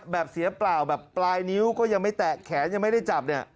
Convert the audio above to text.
แบบเสียเปล่าแบบปลายนิ้วก็ยังไม่แตะแขนยังไม่ได้จับเนี่ย